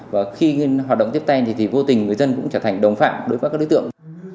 và khi hoạt động tiếp tay thì vô tình người dân cũng trở thành đồng phạm đối với các đối tượng